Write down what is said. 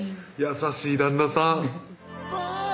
優しい旦那さん